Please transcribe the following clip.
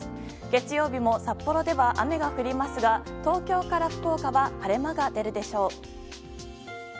月曜日も札幌では雨が降りますが東京から福岡は晴れ間が出るでしょう。